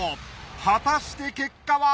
果たして結果は！？